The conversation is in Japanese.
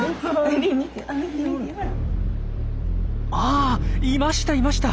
あいましたいました！